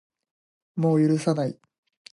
もう許さない